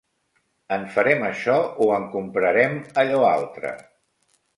En farem això o en comprarem allò altre